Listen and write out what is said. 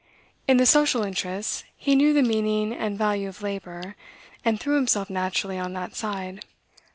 In the social interests, he knew the meaning and value of labor, and threw himself naturally on that side.